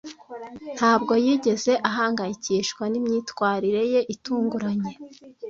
Ntabwo yigeze ahangayikishwa nimyitwarire ye itunguranye.